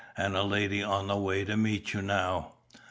and a lady on the way to meet you now."